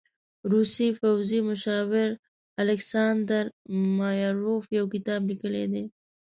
روسي پوځي مشاور الکساندر مایاروف يو کتاب لیکلی دی.